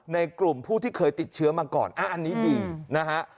ในกลุ่มผู้ที่เคยติดเชื้อมาก่อนอันนี้ดีนะฮะ